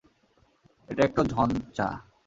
এটা একটা ঝঞ্ঝা।